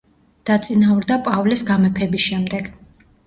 დაწინაურდა პავლეს გამეფების შემდეგ.